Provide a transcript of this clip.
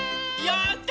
やった！